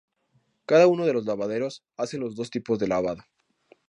Cada uno de los lavaderos hacen los dos tipos de lavado.